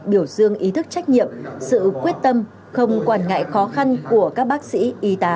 biểu dương ý thức trách nhiệm sự quyết tâm không quản ngại khó khăn của các bác sĩ y tá